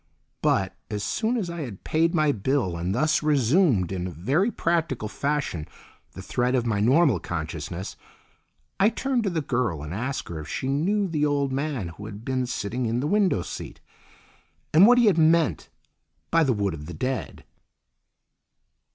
But, as soon as I had paid my bill and thus resumed in very practical fashion the thread of my normal consciousness, I turned to the girl and asked her if she knew the old man who had been sitting in the window seat, and what he had meant by the Wood of the Dead.